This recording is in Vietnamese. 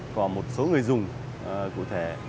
của một số người dùng cụ thể